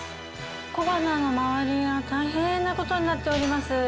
小鼻の周りが大変なことになっております。